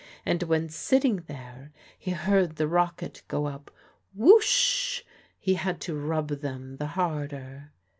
And when, sitting there, he heard the rocket go up, whoosh! he had to rub them the harder.